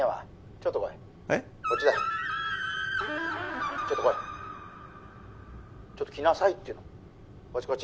ちょっと来いちょっと来なさいっての☎こっち